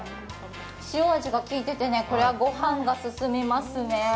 塩足がきいてて、これはご飯が進みますね。